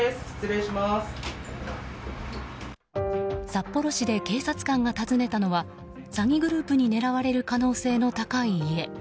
札幌市で警察官が訪ねたのは詐欺グループに狙われる可能性の高い家。